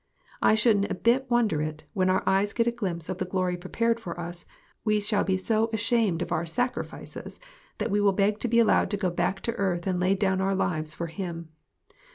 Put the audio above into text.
I shouldn't a bit won der it, when our eyes get a glimpse of the glory prepared for us, we shall be so ashamed of our "sacrifices" that we will beg to be allowed to go back to earth and lay down our lives for him.